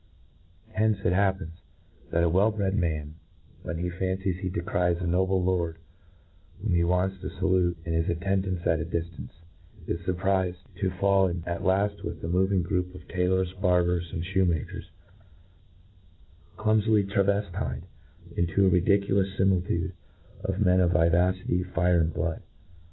Hence it happens, that a wcll br^d man, when he fancies he defcries a no ble lord whom he wants to falute, and his attend ants at a diftance, is furprifcd to fall in at laft with a moving group of taylors, barbers, and IhoemakerS, clumfily traveftied into a ridiculous fimilitude of men of vivacity, fire,. and blood.